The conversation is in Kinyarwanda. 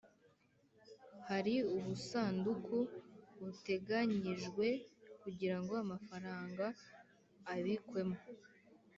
Hari ubusanduku buteganyijwe kugira ngo amafaranga abikwemo